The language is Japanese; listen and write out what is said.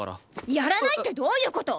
やらないってどういう事！？